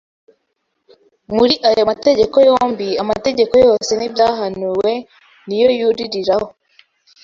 Muri ayo mategeko yombi, amategeko yose n’ibyahanuwe niyo yuririraho.